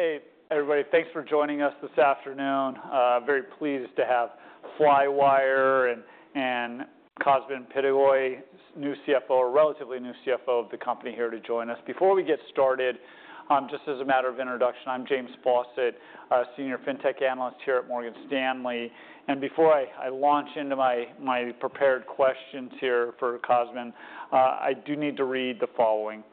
Hey, everybody. Thanks for joining us this afternoon. Very pleased to have Flywire and Cosmin Pitigoi, new CFO, relatively new CFO of the company, here to join us. Before we get started, just as a matter of introduction, I'm James Faucette, a Senior Fintech Analyst here at Morgan Stanley. Before I launch into my prepared questions here for Cosmin, I do need to read the following.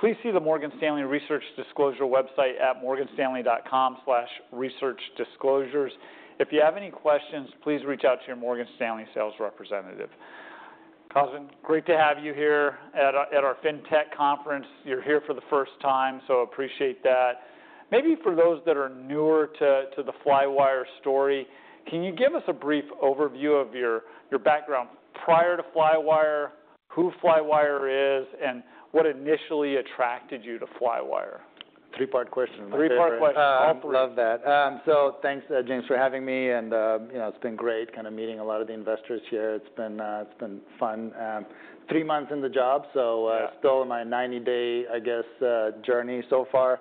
Please see the Morgan Stanley Research Disclosure website at morganstanley.com/researchdisclosures. If you have any questions, please reach out to your Morgan Stanley sales representative. Cosmin, great to have you here at our fintech conference. You're here for the first time, so I appreciate that. Maybe for those that are newer to the Flywire story, can you give us a brief overview of your background prior to Flywire, who Flywire is, and what initially attracted you to Flywire? Three-part question. Three-part question. I love that. So thanks, James, for having me. It's been great kind of meeting a lot of the investors here. It's been fun three months in the job, so still in my 90-day, i guess journey so far.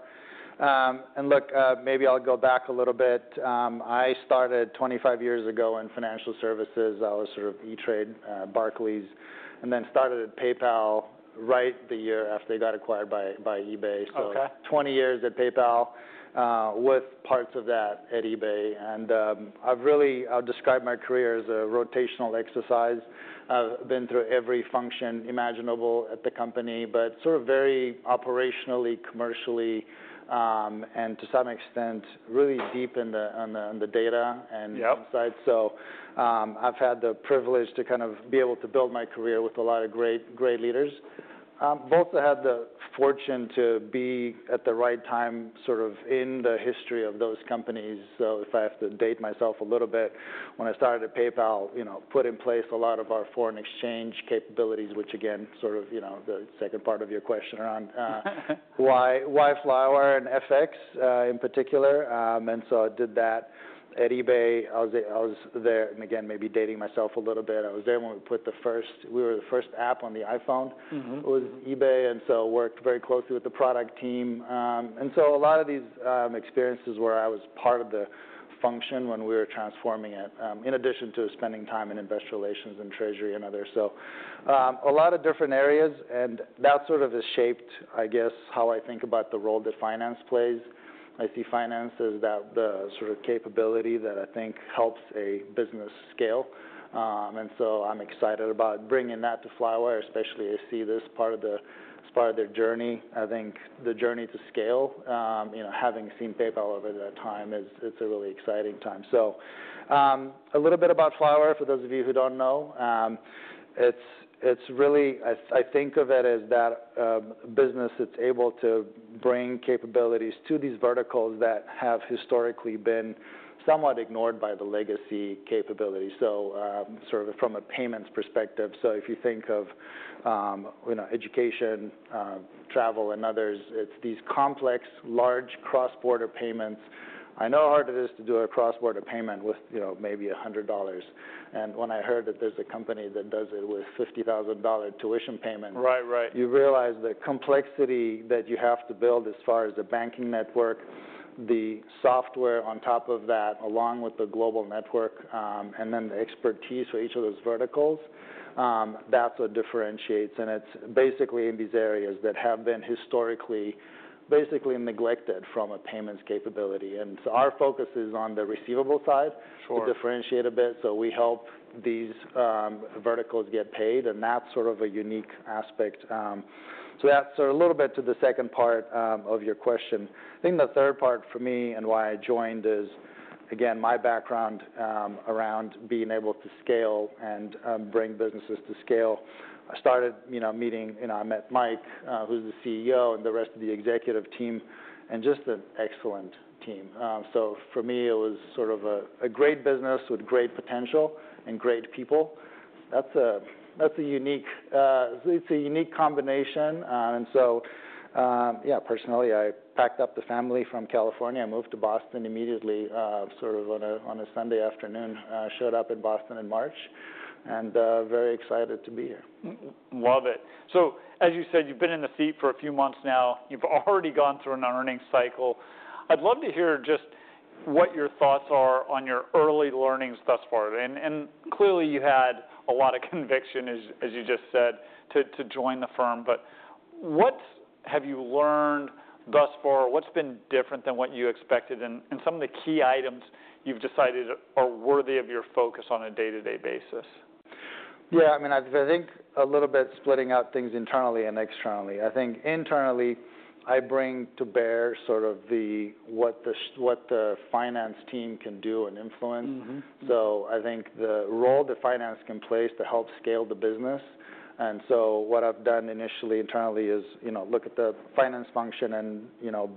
Look, maybe I'll go back a little bit. I started 25 years ago in financial services. I was sort of E*TRADE, Barclays, and then started at PayPal right the year after they got acquired by eBay. 20 years at PayPal with parts of that at eBay. I'll describe my career as a rotational exercise. I've been through every function imaginable at the company, but sort of very operationally, commercially, and to some extent really deep in the data and insights. So I've had the privilege to kind of be able to build my career with a lot of great leaders. I've both had the fortune to be at the right time sort of in the history of those companies. So if I have to date myself a little bit, when I started at PayPal, put in place a lot of our foreign exchange capabilities, which again, sort of the second part of your question around why Flywire and FX in particular. And so I did that at eBay i was there and again maybe dating myself a little bit i was there when we put the first--we were the first app on the iPhone. It was eBay, and so worked very closely with the product team. And so a lot of these experiences where I was part of the function when we were transforming it, in addition to spending time in investor relations and treasury and others. So a lot of different areas. And that sort of has shaped, I guess how I think about the role that finance plays. I see finance as the sort of capability that I think helps a business scale. And so I'm excited about bringing that to Flywire, especially as I see this part of their journey. I think the journey to scale, having seen PayPal over that time, it's a really exciting time. So a little bit about Flywire for those of you who don't know. It's really, I think of it as that business that's able to bring capabilities to these verticals that have historically been somewhat ignored by the legacy capabilities. So sort of from a payments perspective. So if you think of education, travel, and others, it's these complex, large cross-border payments. I know how hard it is to do a cross-border payment with maybe $100. When I heard that there's a company that does it with $50,000 tuition payment, you realize the complexity that you have to build as far as the banking network, the software on top of that, along with the global network, and then the expertise for each of those verticals, that's what differentiates. It's basically in these areas that have been historically basically neglected from a payments capability our focus is on the receivable side to differentiate a bit we help these verticals get paid that's sort of a unique aspect. That's sort of a little bit to the second part of your question. I think the third part for me and why I joined is, again, my background around being able to scale and bring businesses to scale. I met Mike, who's the CEO, and the rest of the executive team. Just an excellent team. So for me, it was sort of a great business with great potential and great people. That's a unique combination. And so, yeah, personally, I packed up the family from California. I moved to Boston immediately, sort of on a Sunday afternoon. I showed up in Boston in March. Very excited to be here. Love it. So as you said, you've been in the seat for a few months now. You've already gone through an earnings cycle. I'd love to hear just what your thoughts are on your early learnings thus far. And clearly, you had a lot of conviction, as you just said, to join the firm. But what have you learned thus far? What's been different than what you expected? And some of the key items you've decided are worthy of your focus on a day-to-day basis? Yeah. I mean, I think a little bit splitting out things internally and externally. I think internally, I bring to bear sort of what the finance team can do and influence. So I think the role that finance can play is to help scale the business. And so what I've done initially internally is look at the finance function and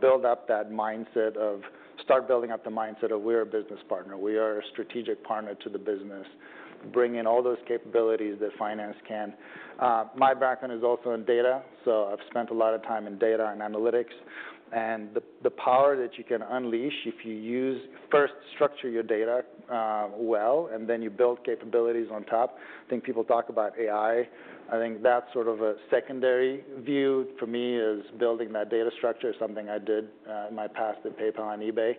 build up that mindset of start building up the mindset of we're a business partner. We are a strategic partner to the business, bringing all those capabilities that finance can. My background is also in data. So I've spent a lot of time in data and analytics. And the power that you can unleash if you first structure your data well and then you build capabilities on top. I think people talk about AI. I think that's sort of a secondary view for me: is building that data structure is something I did in my past at PayPal and eBay.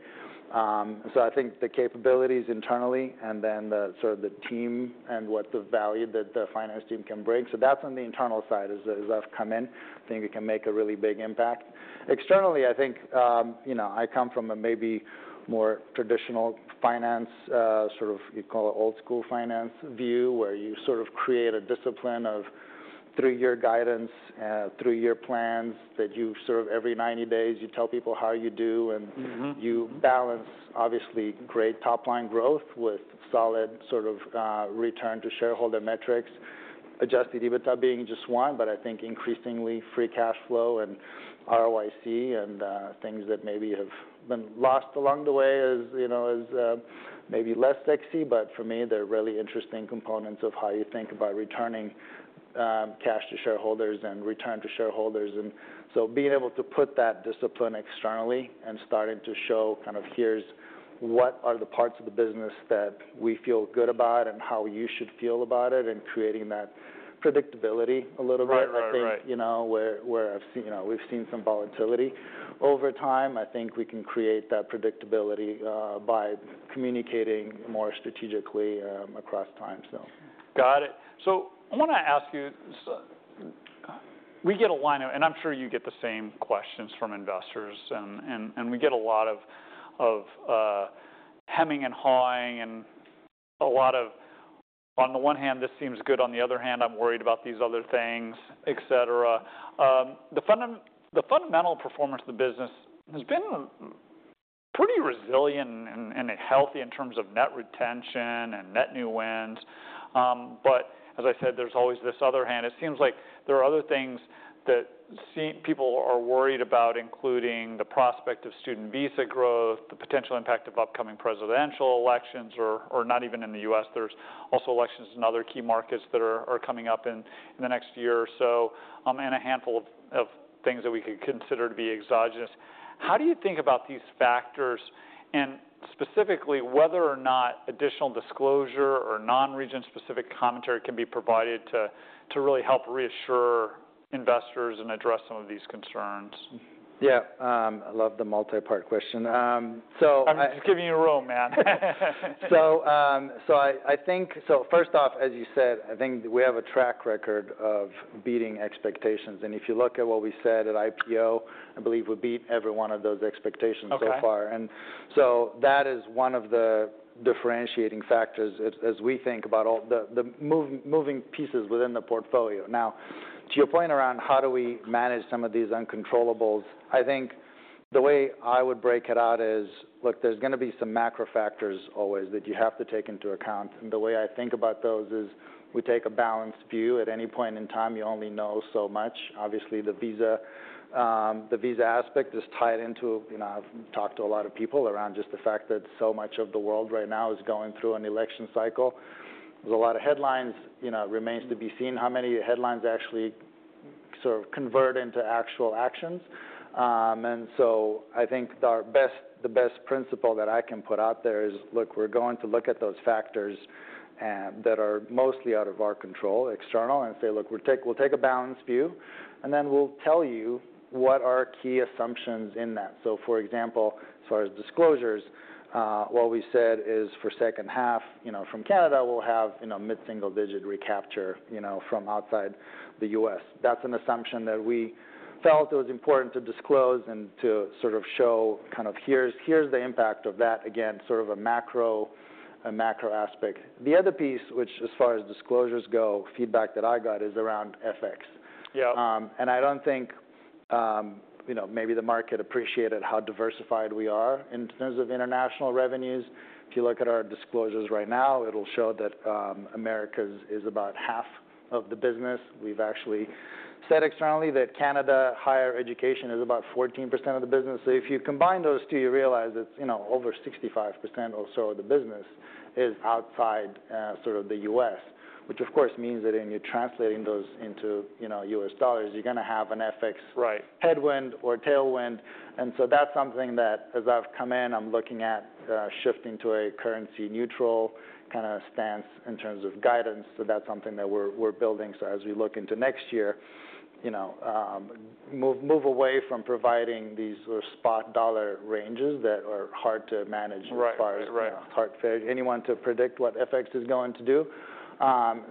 So I think the capabilities internally and then sort of the team and what the value that the finance team can bring. So that's on the internal side as I've come in. I think it can make a really big impact. Externally, I think I come from a maybe more traditional finance, sort of you call it old-school finance view, where you sort of create a discipline of three-year guidance, three-year plans that you serve every 90 days. You tell people how you do. And you balance, obviously, great top-line growth with solid sort of return to shareholder metrics, adjusted EBITDA being just one. But I think increasingly free cash flow and ROIC and things that maybe have been lost along the way is maybe less sexy. But for me, they're really interesting components of how you think about returning cash to shareholders and return to shareholders and so being able to put that discipline externally and starting to show kind of here's what are the parts of the business that we feel good about and how you should feel about it and creating that predictability a little bit. I think where we've seen some volatility over time, I think we can create that predictability by communicating more strategically across time. Got it. So I want to ask you, we get a line of and I'm sure you get the same questions from investors and we get a lot of hemming and hawing and a lot of, on the one hand, this seems good on the other hand, I'm worried about these other things, et cetera. The fundamental performance of the business has been pretty resilient and healthy in terms of net retention and net new wins. But as I said, there's always this other hand it seems like there are other things that people are worried about, including the prospect of student visa growth, the potential impact of upcoming presidential elections, or not even in the U.S. There's also elections in other key markets that are coming up in the next year or so and a handful of things that we could consider to be exogenous. How do you think about these factors and specifically whether or not additional disclosure or non-region-specific commentary can be provided to really help reassure investors and address some of these concerns? Yeah. I love the multi-part question. So. So I think, so first off, as you said, I think we have a track record of beating expectations. And if you look at what we said at IPO, I believe we beat every one of those expectations so far. And so that is one of the differentiating factors as we think about the moving pieces within the portfolio. Now, to your point around how do we manage some of these uncontrollables, I think the way I would break it out is, look, there's going to be some macro factors always that you have to take into account. And the way I think about those is we take a balanced view. At any point in time, you only know so much. Obviously, the visa aspect is tied into i've talked to a lot of people around just the fact that so much of the world right now is going through an election cycle. There's a lot of headlines it remains to be seen how many headlines actually sort of convert into actual actions. And so I think the best principle that I can put out there is look we're going to look at those factors that are mostly out of our control, external, and say, look, we'll take a balanced view. And then we'll tell you what our key assumptions in that. So for example, as far as disclosures, what we said is for second half from Canada, we'll have mid-single digit recapture from outside the U.S. That's an assumption that we felt it was important to disclose and to sort of show kind of here's the impact of that, again, sort of a macro aspect. The other piece, which as far as disclosures go, feedback that I got is around FX. I don't think maybe the market appreciated how diversified we are in terms of international revenues. If you look at our disclosures right now, it'll show that Americas is about half of the business. We've actually said externally that Canada higher education is about 14% of the business. So if you combine those two, you realize it's over 65% or so of the business is outside sort of the U.S., which of course means that when you're translating those into US dollars, you're going to have an FX headwind or tailwind. And so that's something that as I've come in, I'm looking at shifting to a currency neutral kind of stance in terms of guidance. So that's something that we're building. So as we look into next year, move away from providing these sort of spot dollar ranges that are hard to manage as far as anyone to predict what FX is going to do.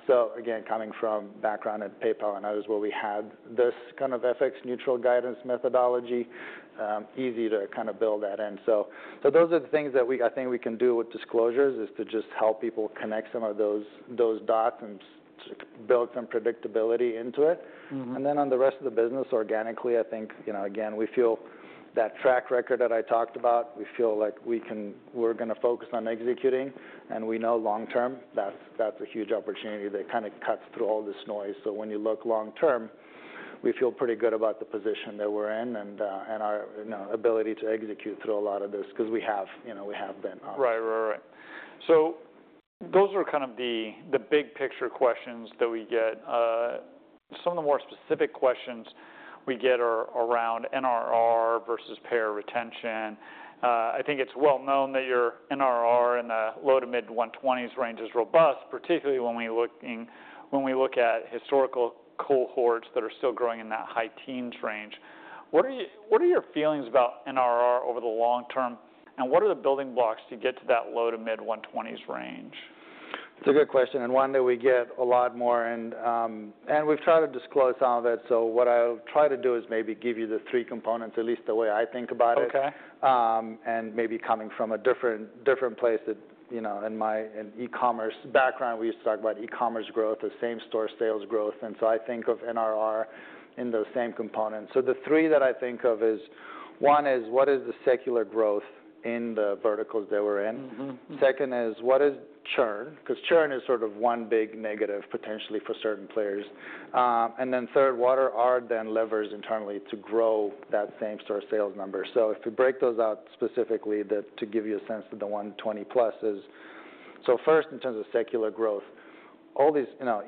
So again, coming from background at PayPal and others where we had this kind of FX neutral guidance methodology, easy to kind of build that in. So those are the things that I think we can do with disclosures is to just help people connect some of those dots and build some predictability into it. And then on the rest of the business organically, I think, again, we feel that track record that I talked about. We feel like we're going to focus on executing. We know long-term, that's a huge opportunity that kind of cuts through all this noise. When you look long-term, we feel pretty good about the position that we're in and our ability to execute through a lot of this because we have been. Right, right, right. So those are kind of the big picture questions that we get. Some of the more specific questions we get are around NRR versus payer retention. I think it's well known that your NRR in the low- to mid-120s range is robust, particularly when we look at historical cohorts that are still growing in that high teens range. What are your feelings about NRR over the long term? And what are the building blocks to get to that low- to mid-120s range? It's a good question. And one that we get a lot more. And we've tried to disclose some of it. So what I'll try to do is maybe give you the three components, at least the way I think about it. And maybe coming from a different place than in my e-commerce background, we used to talk about e-commerce growth, the same store sales growth. And so I think of NRR in those same components. So the three that I think of is one is what is the secular growth in the verticals that we're in? Second is what is churn? Because churn is sort of one big negative potentially for certain players. And then third, what are the levers internally to grow that same store sales number? So if we break those out specifically to give you a sense of the 120+, so first in terms of secular growth,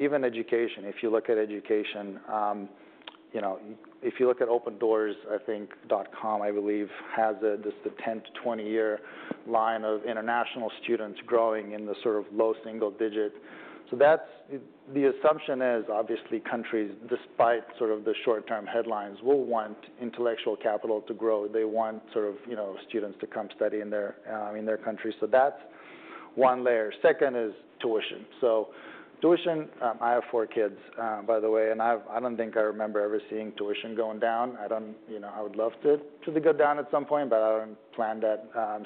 even education, if you look at education, if you look at Open Doors, I think dot com, I believe, has just the 10 to 20 year line of international students growing in the sort of low single digit. So the assumption is obviously countries, despite sort of the short-term headlines, will want intellectual capital to grow. They want sort of students to come study in their countries. So that's one layer. Second is tuition. So tuition, I have four kids, by the way. And I don't think I remember ever seeing tuition going down. I would love for it to go down at some point, but I don't plan that.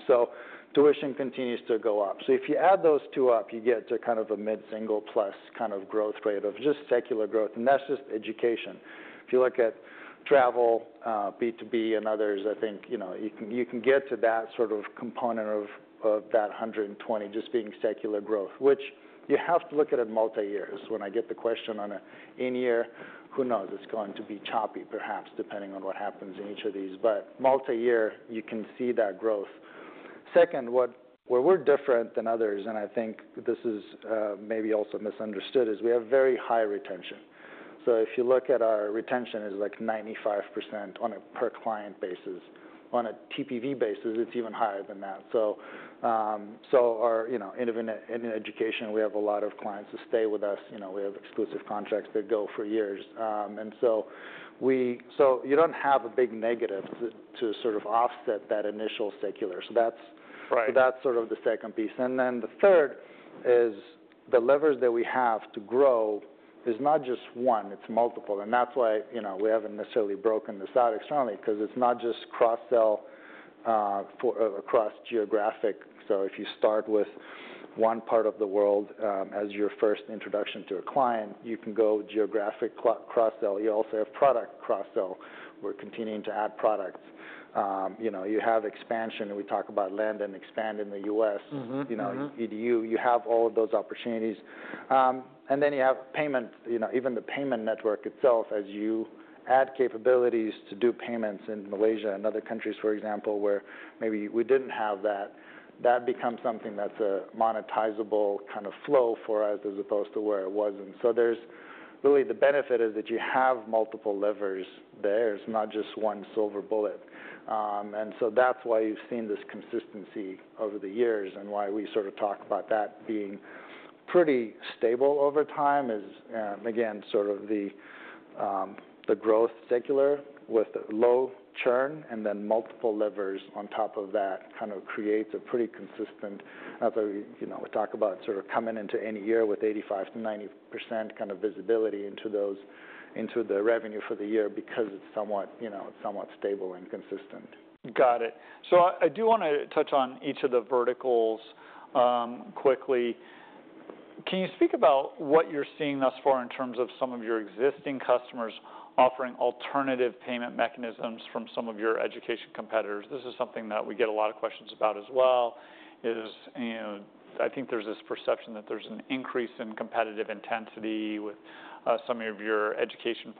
So tuition continues to go up. So if you add those two up, you get to kind of a mid-single plus kind of growth rate of just secular growth. And that's just education. If you look at travel, B2B, and others, I think you can get to that sort of component of that 120 just being secular growth, which you have to look at it multi-year. When I get the question on an in-year, who knows? It's going to be choppy, perhaps, depending on what happens in each of these. But multi-year, you can see that growth. Second, where we're different than others, and I think this is maybe also misunderstood, is we have very high retention. So if you look at our retention, it's like 95% on a per client basis. On a TPV basis, it's even higher than that. So in education, we have a lot of clients that stay with us. We have exclusive contracts that go for years. And so you don't have a big negative to sort of offset that initial secular. So that's sort of the second piece. And then the third is the levers that we have to grow is not just one. It's multiple. And that's why we haven't necessarily broken this out externally because it's not just cross-sell across geographic. So if you start with one part of the world as your first introduction to a client, you can go geographic cross-sell. You also have product cross-sell. We're continuing to add products. You have expansion. We talk about land and expand in the U.S., EDU. You have all of those opportunities. And then you have payment, even the payment network itself, as you add capabilities to do payments in Malaysia and other countries, for example, where maybe we didn't have that. That becomes something that's a monetizable kind of flow for us as opposed to where it wasn't. So really the benefit is that you have multiple levers there. It's not just one silver bullet. And so that's why you've seen this consistency over the years and why we sort of talk about that being pretty stable over time is, again, sort of the growth secular with low churn and then multiple levers on top of that kind of creates a pretty consistent we talk about sort of coming into any year with 85%-90% kind of visibility into the revenue for the year because it's somewhat stable and consistent. Got it. So I do want to touch on each of the verticals quickly. Can you speak about what you're seeing thus far in terms of some of your existing customers offering alternative payment mechanisms from some of your education competitors? This is something that we get a lot of questions about as well. I think there's this perception that there's an increase in competitive intensity with some of your education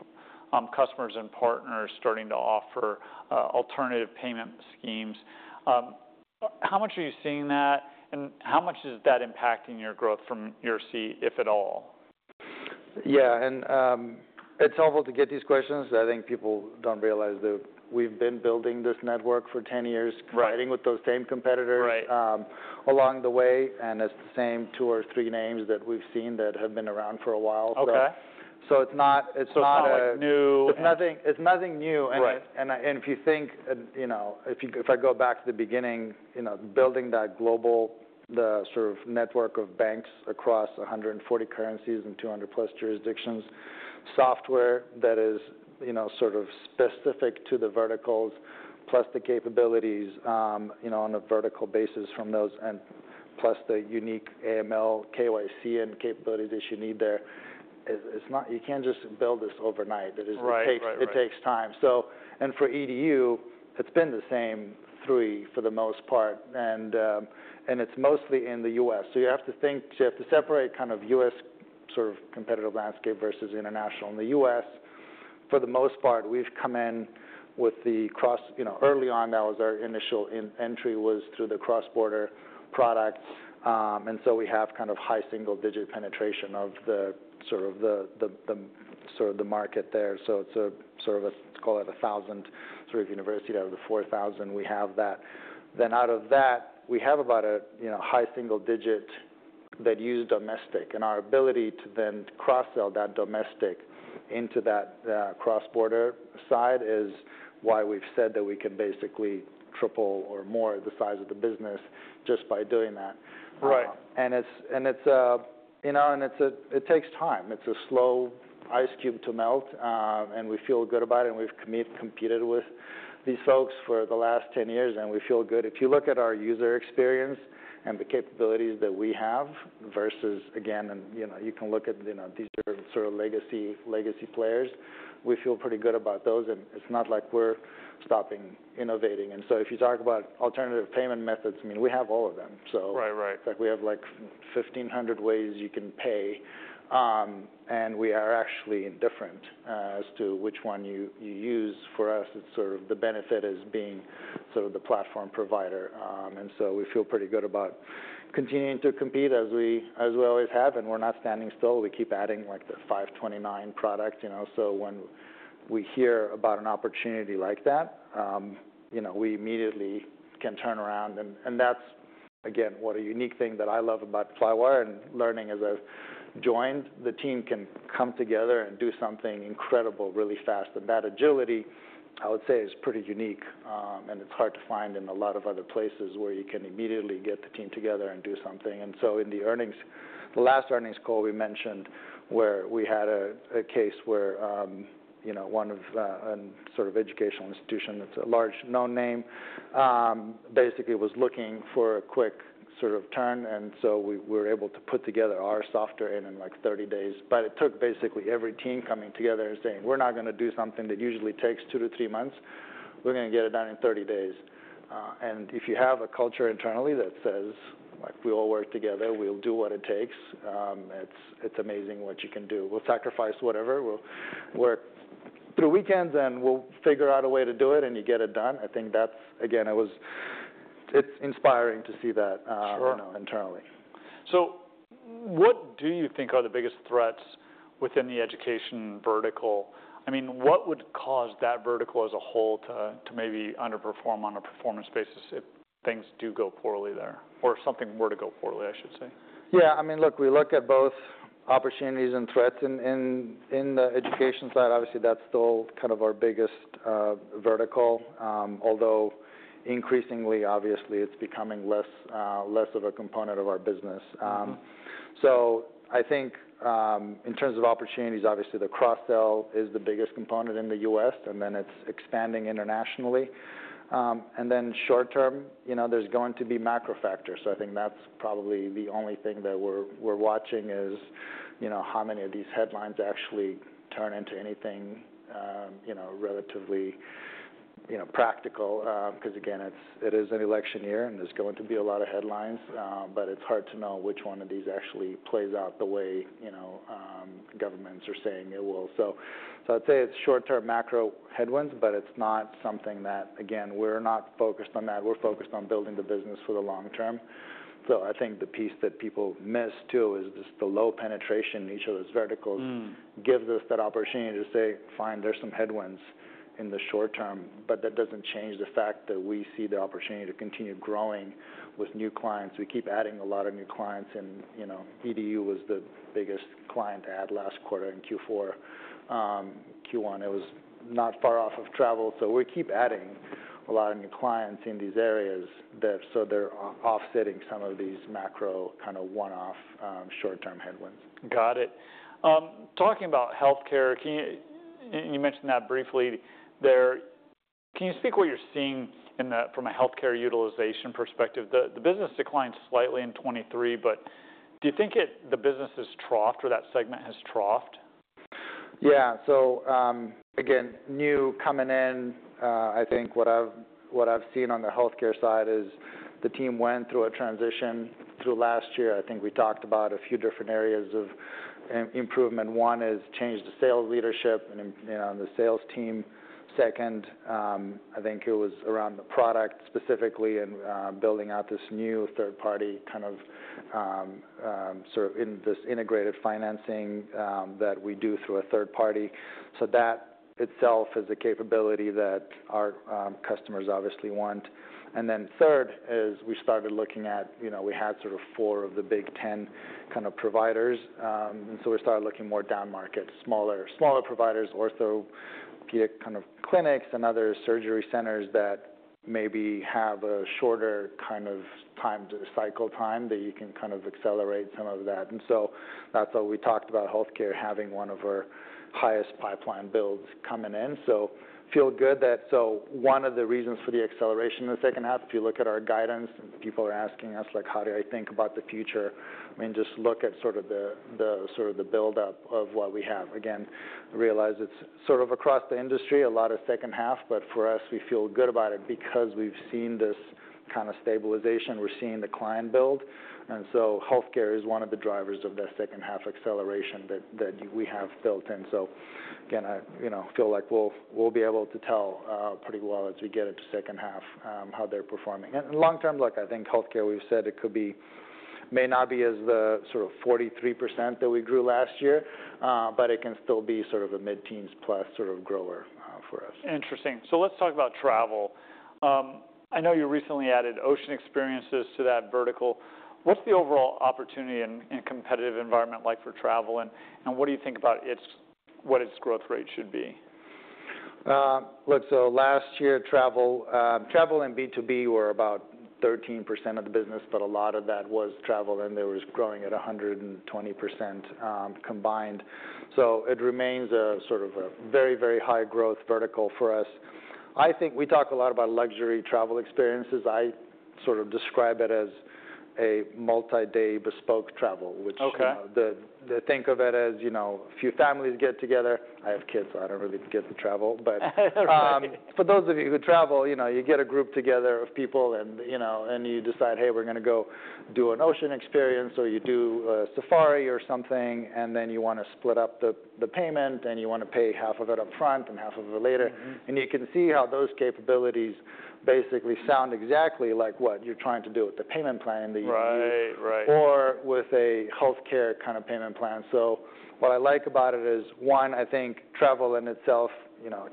customers and partners starting to offer alternative payment schemes. How much are you seeing that? And how much is that impacting your growth from your seat, if at all? Yeah. And it's helpful to get these questions. I think people don't realize that we've been building this network for 10 years competing with those same competitors along the way. And it's the same two or three names that we've seen that have been around for a while. So it's not a. So it's not a new. It's nothing new. And if you think I go back to the beginning, building that global sort of network of banks across 140 currencies and 200+ jurisdictions, software that is sort of specific to the verticals, plus the capabilities on a vertical basis from those, and plus the unique AML, KYC, and capabilities that you need there, you can't just build this overnight. It takes time. And for EDU, it's been the same three for the most part. And it's mostly in the U.S. So you have to separate kind of U.S. sort of competitive landscape versus international. In the U.S., for the most part, we've come in with the early on, that was our initial entry through the cross-border product. And so we have kind of high single-digit penetration of sort of the market there. So it's sort of, let's call it thousands sort of university out of the 4,000. We have that. Then out of that, we have about a high single digit that use domestic. And our ability to then cross-sell that domestic into that cross-border side is why we've said that we can basically triple or more the size of the business just by doing that. And it takes time. It's a slow ice cube to melt. And we feel good about it. And we've competed with these folks for the last 10 years. And we feel good. If you look at our user experience and the capabilities that we have versus, again, and you can look at these sort of legacy players. We feel pretty good about those. And it's not like we're stopping innovating. If you talk about alternative payment methods, I mean, we have all of them. We have like 15 hundreds ways you can pay. We are actually different as to which one you use. For us, it's sort of the benefit as being sort of the platform provider. We feel pretty good about continuing to compete as we always have. We're not standing still. We keep adding like the 529 product. When we hear about an opportunity like that, we immediately can turn around. That's, again, what a unique thing that I love about Flywire and learning as I've joined. The team can come together and do something incredible really fast. That agility, I would say, is pretty unique. It's hard to find in a lot of other places where you can immediately get the team together and do something. In the last earnings call we mentioned, where we had a case where one of a sort of educational institution that's a large known name basically was looking for a quick sort of turn. So we were able to put together our software in like 30 days. But it took basically every team coming together and saying, "We're not going to do something that usually takes 2-3 months. We're going to get it done in 30 days." And if you have a culture internally that says, "We all work together. We'll do what it takes," it's amazing what you can do. We'll sacrifice whatever. We'll work through weekends and we'll figure out a way to do it and you get it done. I think that's, again, it's inspiring to see that internally. So what do you think are the biggest threats within the education vertical? I mean, what would cause that vertical as a whole to maybe underperform on a performance basis if things do go poorly there or if something were to go poorly, I should say? Yeah. I mean, look, we look at both opportunities and threats in the education side. Obviously, that's still kind of our biggest vertical, although increasingly, obviously, it's becoming less of a component of our business. So I think in terms of opportunities, obviously, the cross-sell is the biggest component in the U.S. And then it's expanding internationally. And then short term, there's going to be macro factors. So I think that's probably the only thing that we're watching is how many of these headlines actually turn into anything relatively practical. Because again, it is an election year and there's going to be a lot of headlines. But it's hard to know which one of these actually plays out the way governments are saying it will. So I'd say it's short-term macro headwinds, but it's not something that, again, we're not focused on that. We're focused on building the business for the long term. So I think the piece that people miss too is just the low penetration in each of those verticals gives us that opportunity to say, "Fine, there's some headwinds in the short term." But that doesn't change the fact that we see the opportunity to continue growing with new clients. We keep adding a lot of new clients. And EDU was the biggest client to add last quarter in Q4, Q1. It was not far off of travel. So we keep adding a lot of new clients in these areas. So they're offsetting some of these macro kind of one-off short-term headwinds. Got it. Talking about healthcare, and you mentioned that briefly, can you speak what you're seeing from a healthcare utilization perspective? The business declined slightly in 2023, but do you think the business has troughed or that segment has troughed? Yeah. So again, new coming in, I think what I've seen on the healthcare side is the team went through a transition through last year. I think we talked about a few different areas of improvement. One is change the sales leadership and the sales team. Second, I think it was around the product specifically and building out this new third-party kind of sort of in this integrated financing that we do through a third party. So that itself is a capability that our customers obviously want. And then third is we started looking at we had sort of four of the big 10 kind of providers. And so we started looking more down market, smaller providers, orthopedic kind of clinics and other surgery centers that maybe have a shorter kind of cycle time that you can kind of accelerate some of that. And so that's what we talked about, healthcare having one of our highest pipeline builds coming in. So feel good that one of the reasons for the acceleration in the second half, if you look at our guidance, people are asking us like, "How do I think about the future?" I mean, just look at sort of the build-up of what we have. Again, realize it's sort of across the industry, a lot of second half. But for us, we feel good about it because we've seen this kind of stabilization. We're seeing the client build. And so healthcare is one of the drivers of that second half acceleration that we have built in. So again, I feel like we'll be able to tell pretty well as we get into second half how they're performing. Long-term look, I think healthcare, we've said it may not be as the sort of 43% that we grew last year, but it can still be sort of a mid-teens plus sort of grower for us. Interesting. Let's talk about travel. I know you recently added ocean experiences to that vertical. What's the overall opportunity and competitive environment like for travel? What do you think its growth rate should be? Look, so last year, travel and B2B were about 13% of the business, but a lot of that was travel. And there was growing at 120% combined. So it remains sort of a very, very high growth vertical for us. I think we talk a lot about luxury travel experiences. I sort of describe it as a multi-day bespoke travel, which they think of it as a few families get together. I have kids, so I don't really get to travel. But for those of you who travel, you get a group together of people and you decide, "Hey, we're going to go do an ocean experience," or you do a safari or something, and then you want to split up the payment and you want to pay half of it upfront and half of it later. You can see how those capabilities basically sound exactly like what you're trying to do with the payment plan that you need or with a healthcare kind of payment plan. So what I like about it is, one, I think travel in itself,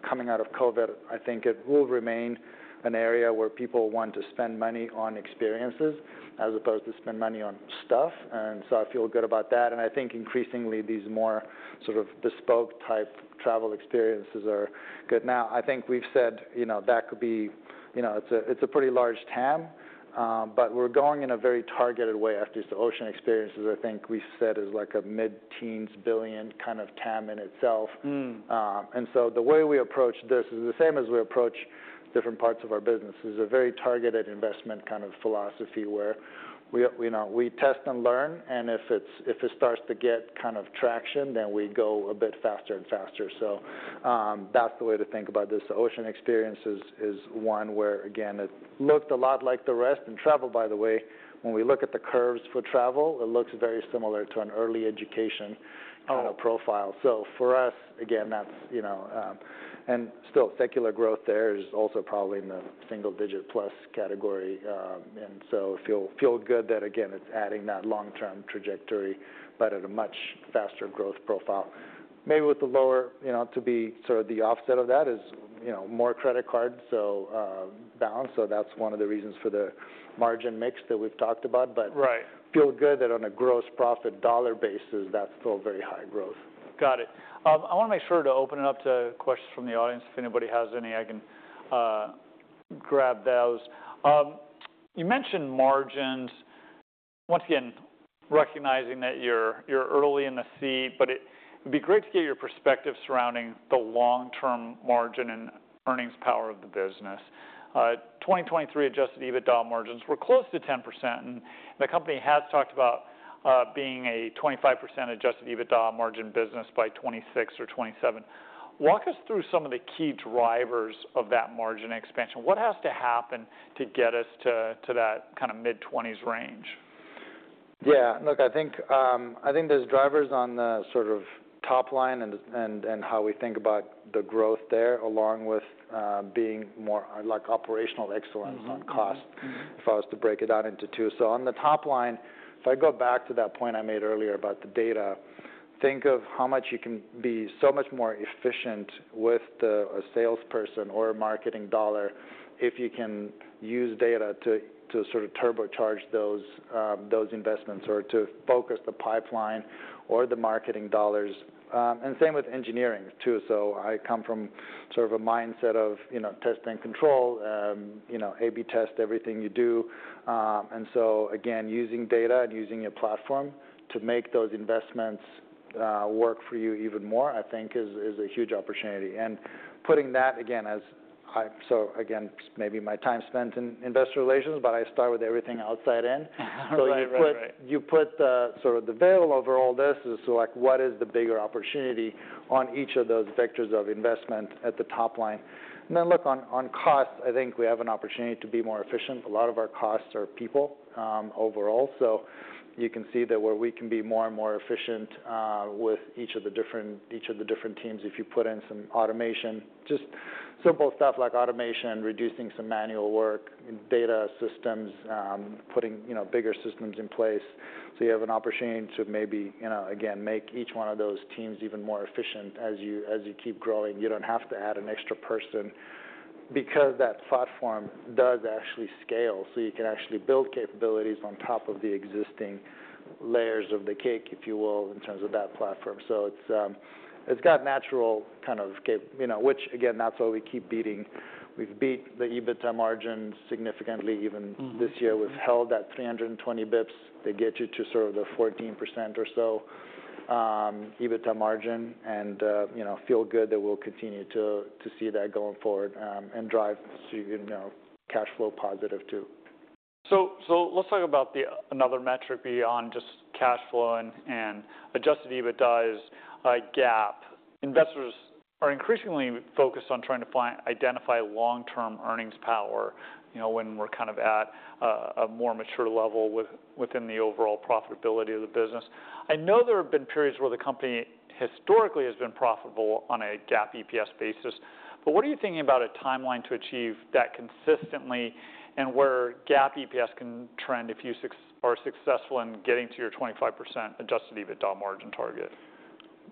coming out of COVID, I think it will remain an area where people want to spend money on experiences as opposed to spend money on stuff. And so I feel good about that. And I think increasingly these more sort of bespoke type travel experiences are good. Now, I think we've said that could be it's a pretty large TAM. But we're going in a very targeted way after the ocean experiences. I think we've said it's like a mid-teens billion kind of TAM in itself. And so the way we approach this is the same as we approach different parts of our business. It's a very targeted investment kind of philosophy where we test and learn. And if it starts to get kind of traction, then we go a bit faster and faster. So that's the way to think about this. The ocean experience is one where, again, it looked a lot like the rest. And travel, by the way, when we look at the curves for travel, it looks very similar to an early education kind of profile. So for us, again, that's and still secular growth there is also probably in the single-digit plus category. And so feel good that, again, it's adding that long-term trajectory, but at a much faster growth profile. Maybe with the lower to be sort of the offset of that is more credit card balance. So that's one of the reasons for the margin mix that we've talked about. But feel good that on a gross profit dollar basis, that's still very high growth. Got it. I want to make sure to open it up to questions from the audience. If anybody has any, I can grab those. You mentioned margins. Once again, recognizing that you're early in the sea, but it'd be great to get your perspective surrounding the long-term margin and earnings power of the business. 2023 adjusted EBITDA margins were close to 10%. The company has talked about being a 25% adjusted EBITDA margin business by 2026 or 2027. Walk us through some of the key drivers of that margin expansion. What has to happen to get us to that kind of mid-20s range? Yeah. Look, I think there's drivers on the sort of top line and how we think about the growth there, along with being more like operational excellence on cost, if I was to break it out into two. So on the top line, if I go back to that point I made earlier about the data, think of how much you can be so much more efficient with a salesperson or a marketing dollar if you can use data to sort of turbocharge those investments or to focus the pipeline or the marketing dollars. And same with engineering too. So I come from sort of a mindset of test and control, A/B test everything you do. And so again, using data and using your platform to make those investments work for you even more, I think is a huge opportunity. And putting that, again, maybe my time spent in investor relations, but I start with everything outside in. So you put sort of the veil over all this. So what is the bigger opportunity on each of those vectors of investment at the top line? And then look, on costs, I think we have an opportunity to be more efficient. A lot of our costs are people overall. So you can see that where we can be more and more efficient with each of the different teams, if you put in some automation, just simple stuff like automation, reducing some manual work, data systems, putting bigger systems in place. So you have an opportunity to maybe, again, make each one of those teams even more efficient as you keep growing. You don't have to add an extra person because that platform does actually scale can actually build capabilities on top of the existing layers of the cake, if you will, in terms of that platform. It's got natural kind of which, again, that's what we keep beating. We've beat the EBITDA margin significantly. Even this year, we've held that 320 basis points. They get you to sort of the 14% or so EBITDA margin. And feel good that we'll continue to see that going forward and drive cash flow positive too. So let's talk about another metric beyond just cash flow and adjusted EBITDA, which is GAAP. Investors are increasingly focused on trying to identify long-term earnings power when we're kind of at a more mature level within the overall profitability of the business. I know there have been periods where the company historically has been profitable on a GAAP EPS basis. But what are you thinking about a timeline to achieve that consistently and where GAAP EPS can trend if you are successful in getting to your 25% adjusted EBITDA margin target?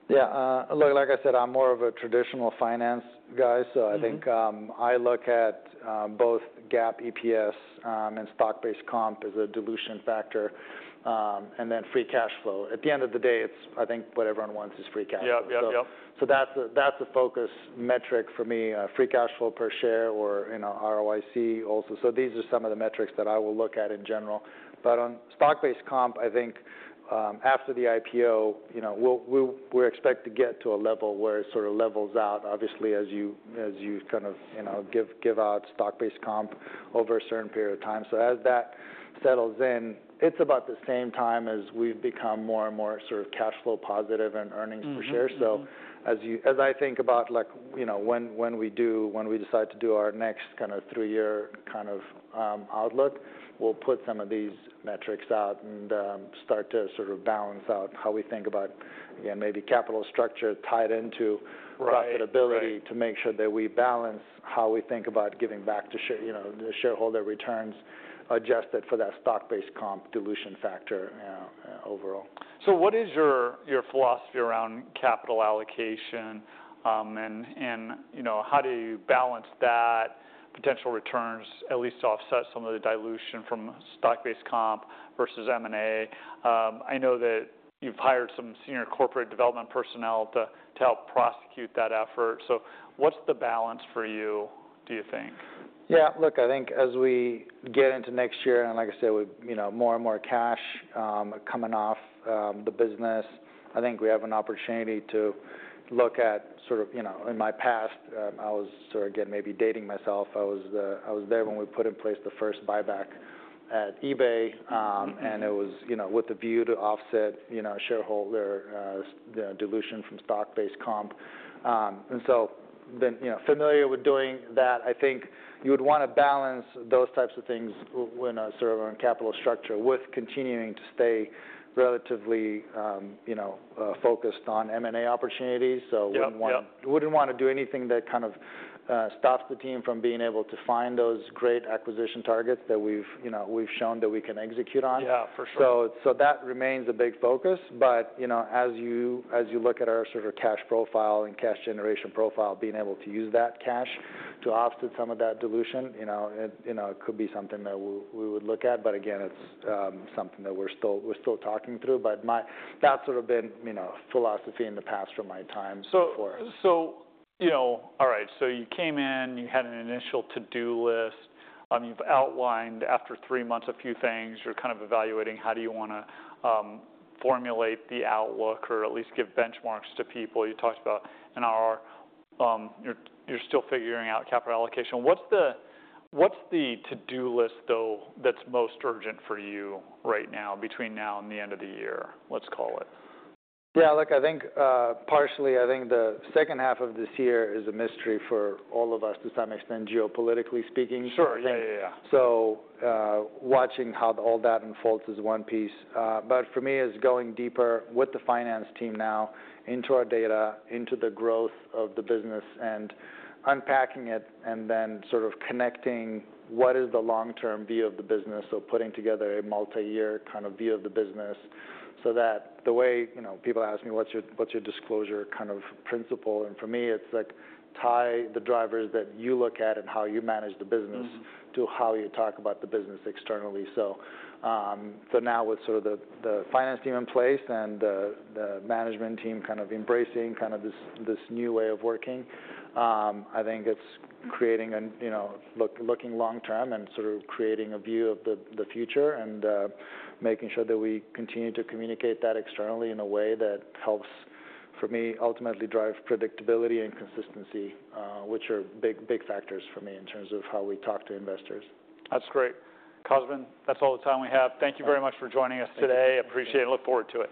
Yeah. Look, like I said, I'm more of a traditional finance guy. So I think I look at both GAAP EPS and stock-based comp as a dilution factor and then free cash flow. At the end of the day, I think what everyone wants is free cash flow. So that's a focus metric for me, free cash flow per share or ROIC also. So these are some of the metrics that I will look at in general. But on stock-based comp, I think after the IPO, we expect to get to a level where it sort of levels out, obviously, as you kind of give out stock-based comp over a certain period of time. So as that settles in, it's about the same time as we've become more and more sort of cash flow positive and earnings per share. So as I think about when we decide to do our next kind of three-year kind of outlook, we'll put some of these metrics out and start to sort of balance out how we think about, again, maybe capital structure tied into profitability to make sure that we balance how we think about giving back to shareholder returns adjusted for that stock-based comp dilution factor overall. So what is your philosophy around capital allocation? And how do you balance that potential returns, at least offset some of the dilution from stock-based comp versus M&A? I know that you've hired some senior corporate development personnel to help prosecute that effort. So what's the balance for you, do you think? Yeah. Look, I think as we get into next year, and like I said, more and more cash coming off the business, I think we have an opportunity to look at sort of in my past, I was sort of, again, maybe dating myself. I was there when we put in place the first buyback at eBay. And it was with the view to offset shareholder dilution from stock-based comp. And so then familiar with doing that, I think you would want to balance those types of things sort of on capital structure with continuing to stay relatively focused on M&A opportunities. So we wouldn't want to do anything that kind of stops the team from being able to find those great acquisition targets that we've shown that we can execute on. So that remains a big focus. But as you look at our sort of cash profile and cash generation profile, being able to use that cash to offset some of that dilution, it could be something that we would look at. But again, it's something that we're still talking through. But that's sort of been a philosophy in the past for my time so far. All right. You came in, you had an initial to-do list. You've outlined after three months a few things. You're kind of evaluating how do you want to formulate the outlook or at least give benchmarks to people. You talked about; you're still figuring out capital allocation. What's the to-do list, though, that's most urgent for you right now between now and the end of the year, let's call it? Yeah. Look, I think partially, I think the second half of this year is a mystery for all of us to some extent, geopolitically speaking. So watching how all that unfolds is one piece. But for me, it's going deeper with the finance team now into our data, into the growth of the business and unpacking it and then sort of connecting what is the long-term view of the business. So putting together a multi-year kind of view of the business so that the way people ask me, what's your disclosure kind of principle? And for me, it's like tie the drivers that you look at and how you manage the business to how you talk about the business externally. So now with sort of the finance team in place and the management team kind of embracing kind of this new way of working, I think it's creating and looking long-term and sort of creating a view of the future and making sure that we continue to communicate that externally in a way that helps for me ultimately drive predictability and consistency, which are big factors for me in terms of how we talk to investors. That's great. Cosmin, that's all the time we have. Thank you very much for joining us today. Appreciate it and look forward to it.